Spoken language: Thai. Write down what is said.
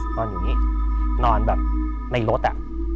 นอนอยู่นี่นอนแบบในรถอะ